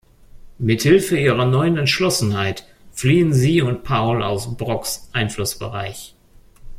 Mit Hilfe ihrer neuen Entschlossenheit fliehen sie und Paul aus Brocks Einflussbereich.